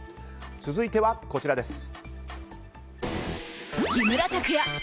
続いてはこちらです。